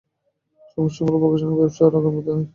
সমস্যা হলো, প্রকাশনা ব্যবসা আর আগের মতো নেই।